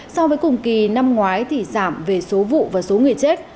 so với cùng kỳ năm ngoái thì giảm về số vụ và số người chết